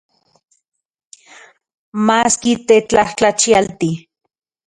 Maski tetlajtlachialti.